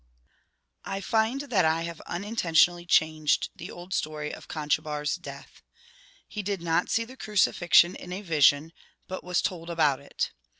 I FIND that I have unintentionally changed the old story of Conchobar's death. He did not see the crucifixion in a vision, but was told about it.